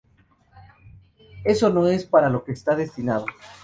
Eso no es para lo que estás destinado.